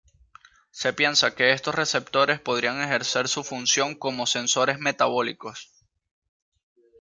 Se piensa que estos receptores podrían ejercer su función como sensores metabólicos.